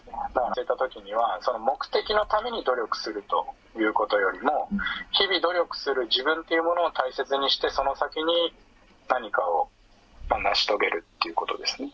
そういった時には目的のために努力するということよりも日々努力する自分っていうものを大切にしてその先に何かを成し遂げるっていうことですね。